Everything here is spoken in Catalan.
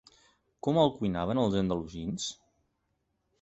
Com el cuinaven els andalusins?